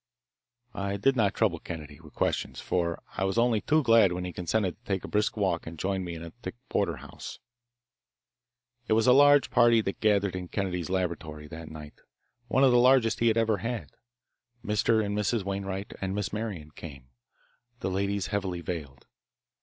I did not trouble Kennedy with questions, for I was only too glad when he consented to take a brisk walk and join me in a thick porterhouse. It was a large party that gathered in Kennedy's laboratory that night, one of the largest he had ever had. Mr. and Mrs. Wainwright and Miss Marian came, the ladies heavily veiled.